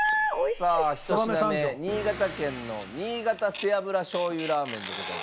さあ１品目新潟県の新潟背脂醤油ラーメンでございます。